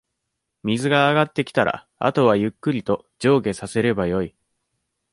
水が上がってきたら、あとはゆっくりと、上下させればよい。